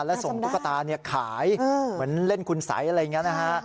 แล้วส่งตุ๊กตาขายเหมือนเล่นคุณสัยอะไรอย่างนี้นะฮะ